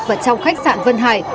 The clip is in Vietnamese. và trong khách sạn vân hải